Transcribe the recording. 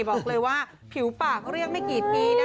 บอกเลยว่าผิวปากเรียกไม่กี่ปีนะ